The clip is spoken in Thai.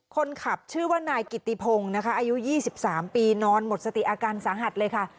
คนขับชื่อว่านายกิติพงศ์นะคะอายุ๒๓ปีนอนหมดสติอาการสาหัสเลยค่ะ